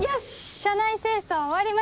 車内清掃終わりました。